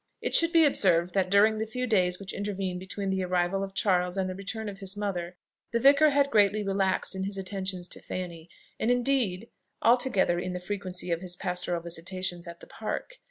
It should be observed that, during the few days which intervened between the arrival of Charles and the return of his mother, the vicar had greatly relaxed in his attentions to Fanny, and indeed altogether in the frequency of his pastoral visitations at the Park.